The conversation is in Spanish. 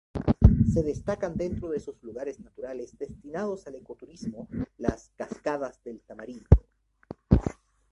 Se destacan dentro de sus lugares naturales destinados al ecoturismo las "cascadas del tamarindo".